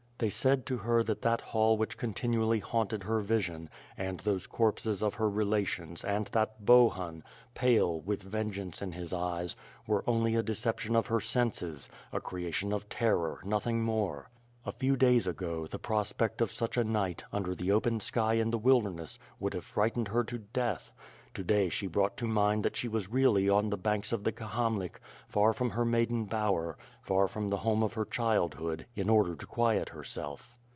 They said to her that that hall which continually haunted her vision, and those corpses of her relations and that Bohun, pale, with vengeance in his eyes, were only a deception of her senses; a creation of terror, nothing more. A few days ago, the prospect of such a night, under the open sky in the wilderness, would have frightened her to death; to day she brought to mind that she was really on the banks WITH FIRE AND SWORD. 253 of the Kahamlik, far from her maiden bower, far from the home of her childhood, in order to quiet herself.